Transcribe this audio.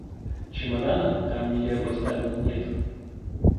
Чемодана, там, где я его оставил, нет.